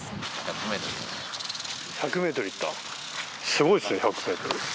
すごいっすね１００ｍ。